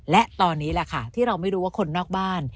และตอนนี้แหละค่ะที่เราไม่รู้ว่าคนนอกบ้าน